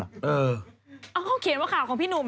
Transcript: เขาเขียนว่าข่าวของพี่หนุ่ม